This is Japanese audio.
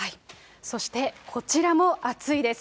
そしてこちらも暑いです。